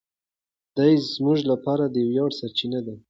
دی زموږ لپاره د ویاړ سرچینه ده.